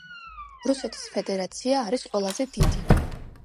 რუსეთის ფედერაცია არის ყველაზე დიდი.